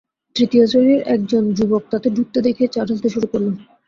তৃত্যশ্রেণীর এক জন যুবক তাঁকে ঢুকতে দেখেই চা ঢালতে শুরু করল।